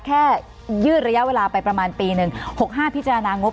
ยืดระยะเวลาไปประมาณปีหนึ่ง๖๕พิจารณางบ